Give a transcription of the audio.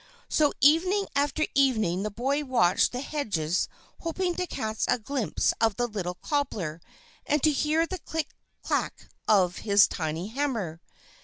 So, evening after evening, the boy watched the hedges hoping to catch a glimpse of a little cobbler, and to hear the click clack of his tiny hammer.